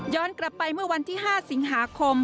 กลับไปเมื่อวันที่๕สิงหาคม